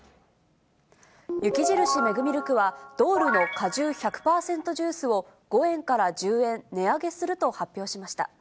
雪印メグミルクは、ドールの果汁１００％ジュースを、５円から１０円値上げすると発表しました。